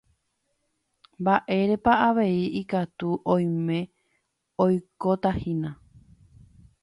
mba'érepa avei ikatu oime oikotahína